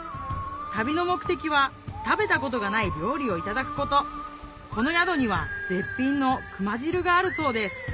旅の目的は食べたことがない料理をいただくことこの宿には絶品の熊汁があるそうです